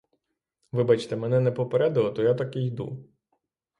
Вибачте, мене не попередили, то я так і йду.